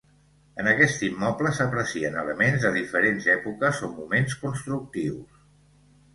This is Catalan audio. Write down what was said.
En aquest immoble s'aprecien elements de diferents èpoques o moments constructius.